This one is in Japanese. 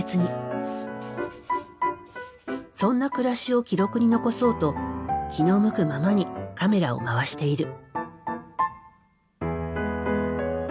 そんな暮らしを記録に残そうと気の向くままにカメラを回している。